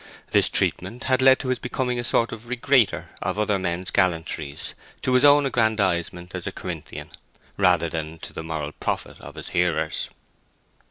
This treatment had led to his becoming a sort of regrater of other men's gallantries, to his own aggrandizement as a Corinthian, rather than to the moral profit of his hearers.